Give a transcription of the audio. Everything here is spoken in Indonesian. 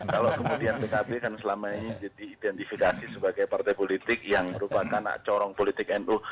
kalau kemudian pkb kan selama ini diidentifikasi sebagai partai politik yang merupakan corong politik nu